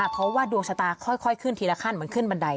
เพราะว่าดวงชะตาค่อยขึ้นทีละขั้นเหมือนขึ้นบันได